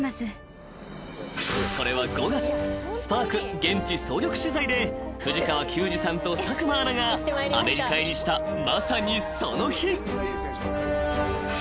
現地総力取材で藤川球児さんと佐久間アナがアメリカ入りしたまさにその日］